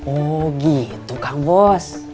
oh gitu kang bos